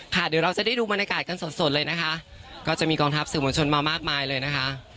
เดี๋ยวเราจะได้ดูบรรยากาศกันสดสดเลยนะคะก็จะมีกองทัพสื่อมวลชนมามากมายเลยนะคะ